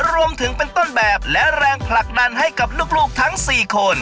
รวมถึงเป็นต้นแบบและแรงผลักดันให้กับลูกทั้ง๔คน